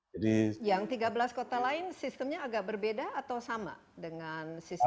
yang tiga belas kota lain sistemnya agak berbeda atau sama dengan sistem